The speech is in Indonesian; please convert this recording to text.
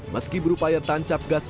meski berupaya tancap gas